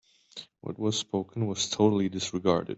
What was spoken was totally disregarded.